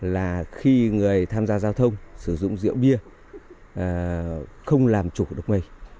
là khi người tham gia giao thông sử dụng rượu bia không làm chủ của độc mệnh